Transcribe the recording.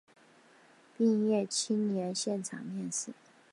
毕业青年现场面试